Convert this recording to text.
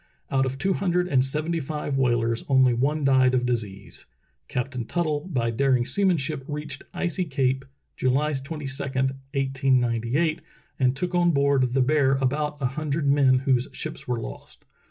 Out of two hundred and seventy five whalers only one died of disease. Captain Tuttle by daring seamanship reached Icy Cape July 22, 1898, and took on board the Bear about a hundred men whose ships were lost.